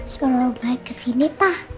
sekarang baik ke sini pak